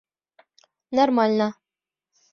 Нормально.